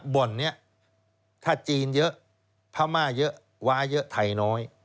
บ่อนนี้ถ้าจีนเยอะพม่าเยอะว้าเยอะไทยน้อย